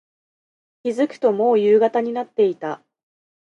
気付くと、もう夕方になっていた。